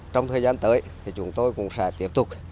trong thời gian tới thì chúng tôi cũng sẽ tiếp tục